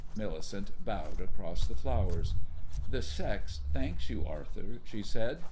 Millicent bowed across the flowers. "The sex thanks you, Arthur," she said.